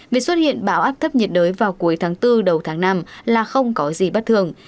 việc xuất hiện bão áp thấp nhiệt đới vào cuối tháng bốn đầu tháng năm là không có gì bất thường